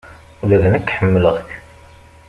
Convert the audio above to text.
Ula d nekk ḥemmleɣ-k.